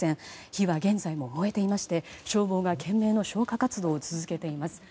火は現在も燃えていまして消防が懸命の消火活動を続けています。